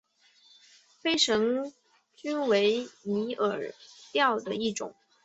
飞蝇钓为拟饵钓的一种。